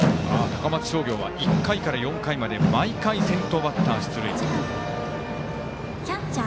高松商業は１回から４回まで毎回、先頭バッター出塁。